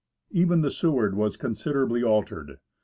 Even the Seward was considerably altered.